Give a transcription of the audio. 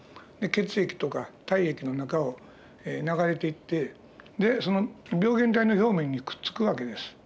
血液とか体液の中を流れていってでその病原体の表面にくっつく訳です。